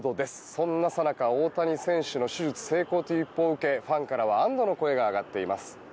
そんなさなか、大谷選手の手術成功という一報を受けファンからは安どの声が上がっています。